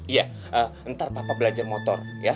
iya ntar papa belajar motor ya